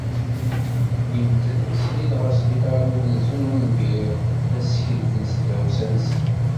Uwin-ten srid ɣer sbiṭer n umenzu n unbir ad setkelfen s tdawsa-nsen.